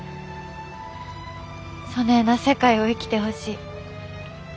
そねえな世界を生きてほしい。